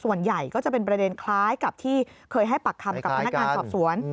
ส่วนใหญ่ก็จะเป็นประเด็นคล้ายกับที่เคยให้ปากคำกับพนักงานสอบสวน